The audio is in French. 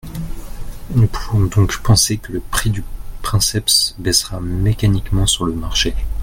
Nous pouvons donc penser que le prix du princeps baissera mécaniquement sur le marché.